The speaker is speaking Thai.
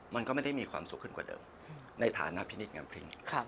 มันก็ไม่ได้มีความสุขขึ้นกว่าเดิมในฐานะพินิษฐงามพริ้ง